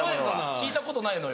聞いたことないのよ。